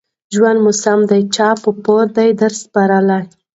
ژوند موسم دى چا په پور درته سپارلى